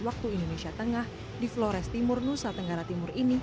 waktu indonesia tengah di flores timur nusa tenggara timur ini